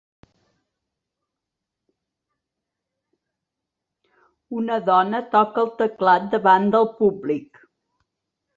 Una dona toca el teclat davant del públic.